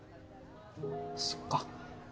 そっか。